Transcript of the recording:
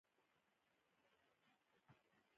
مجاز پر دوه ډوله دﺉ.